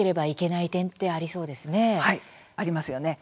はい、ありますよね。